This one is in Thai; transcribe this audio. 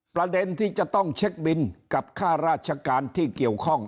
ประเด็นที่จะต้องเช็คบินกับค่าราชการที่เกี่ยวข้อง